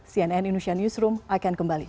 cnn indonesia newsroom akan kembali